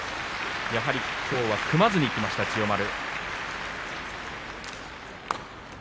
やはり、きょうは組まずにいきました千代丸。